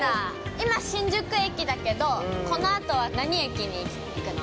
今、新宿駅だけど、このあとは何駅に行くの？